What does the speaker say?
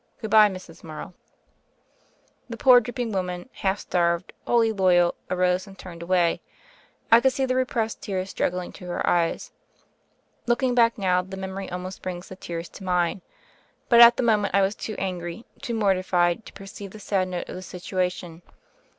— Good bye, Mrs. Morrow." The poor drooping woman, half starved, wholly loyal, arose and turned away. I could see the repressed tears struggling to her eyes. Looking back now, the memory almost brings the tears to mine. But at the mo ment I was too angry, too mortified, to per ceive the sad note of the situation.